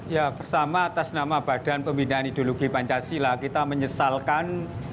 ya pertama atas nama badan pembinaan ideologi pancasila kita menyesalkan